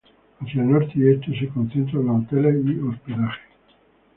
Hacia el norte y este, se concentran los hoteles y hospedajes.